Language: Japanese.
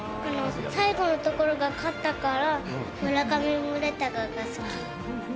最後のところが勝ったから、村上宗隆が好き。